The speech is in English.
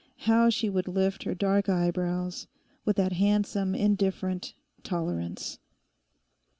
How she would lift her dark eyebrows, with that handsome, indifferent tolerance.